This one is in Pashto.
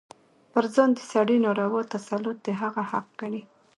پر ځان د سړي ناروا تسلط د هغه حق ګڼي.